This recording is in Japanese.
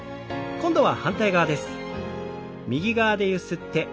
今度は反対側です。